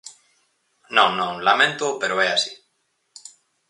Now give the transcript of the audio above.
Non, non, laméntoo, pero é así.